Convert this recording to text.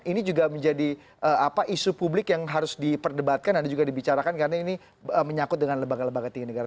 ini juga menjadi isu publik yang harus diperdebatkan dan juga dibicarakan karena ini menyakut dengan lembaga lembaga tinggi negara